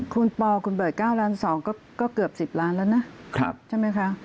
คุณปอคุณเบิร์ต๙ล้าน๒ก็เกือบ๑๐ล้านแล้วนะใช่ไหมคะ